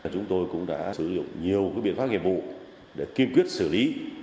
chúng tôi cũng đã sử dụng nhiều biện pháp nghiệp vụ để kiên quyết xử lý